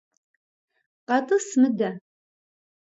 КъэтӀыс мыдэ!